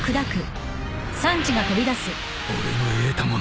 俺の得たもの